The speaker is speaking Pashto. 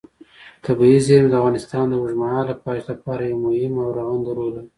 طبیعي زیرمې د افغانستان د اوږدمهاله پایښت لپاره یو مهم او رغنده رول لري.